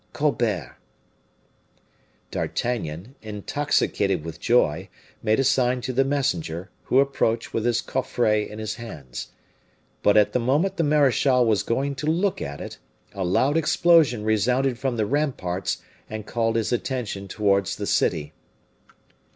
COLBERT" D'Artagnan, intoxicated with joy, made a sign to the messenger, who approached, with his coffret in his hands. But at the moment the marechal was going to look at it, a loud explosion resounded from the ramparts, and called his attention towards the city.